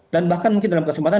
dan bahkan mungkin dalam kesempatan